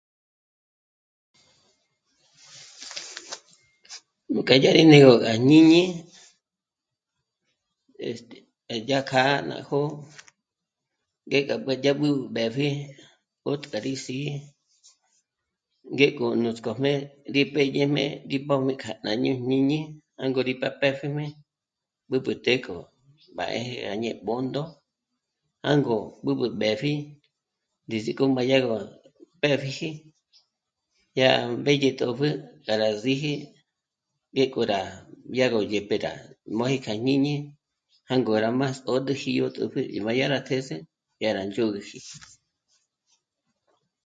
Nú kjá yá'a rí né'egö à jñíñi este... yá kjâ'a ná jó'o ngé ya ngá dyábab'ü mbépji 'ö̀tk'a rí sí'i ngéko nuts'k'ójmé rí pédyejmé gí b'ö́b'e kjâ'a yó jñíñi jângo rí pa pë́pjijmé b'ǚb'ü të́'ë k'o bá 'éje gá ñé'e à Bṓndo jângo b'ǚb'ü mbèpji ndízik'o má dyá ró mbèbipji yá mbédye tòpjü k'a rá síji ngí k'o rá... dyá gó dyë̀pje rá móji kja jñiñi jângo rá má ndzgó'íji má dya rá t'és'e yá gá ndzhôd'üji